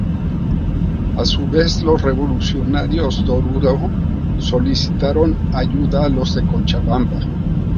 A su vez, los revolucionarios de Oruro solicitaron ayuda a los de Cochabamba.